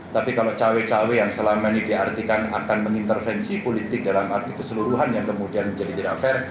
tapi kalau cawe cawe yang selama ini diartikan akan mengintervensi politik dalam arti keseluruhan yang kemudian menjadi tidak fair